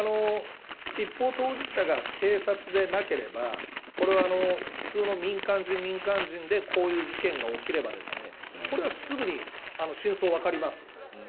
一方当事者が警察でなければこれは、普通の民間人、民間人でこういう事件が起きればこれはすぐに真相は分かります。